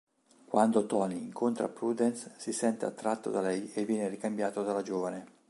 Quando Tony incontra Prudence si sente attratto da lei e viene ricambiato dalla giovane.